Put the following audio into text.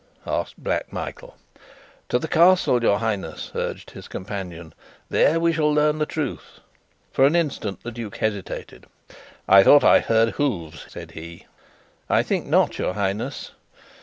asked Black Michael. "To the Castle, your Highness," urged his companion. "There we shall learn the truth." For an instant the duke hesitated. "I thought I heard hoofs," said he. "I think not, your Highness."